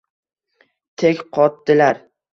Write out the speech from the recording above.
Tek qotdilar.